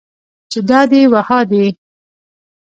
چې دا دي و ها دي.